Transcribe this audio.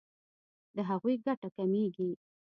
د هغوی ګټه کمیږي.